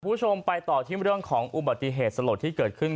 คุณผู้ชมไปต่อที่เรื่องของอุบัติเหตุสลดที่เกิดขึ้น